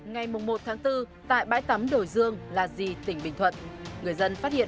ngày một bốn tại bãi tắm đổi dương là dì tỉnh bình thuận người dân phát hiện